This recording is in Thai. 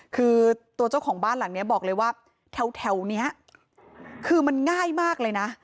คือตัวเจ้าของบ้านหลังนี้บอกเลยว่าแถวนี้คือมันง่ายมากเลยนะ